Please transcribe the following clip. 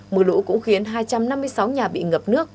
mưa lũ cũng khiến hai trăm năm mươi sáu nhà bị ngập nước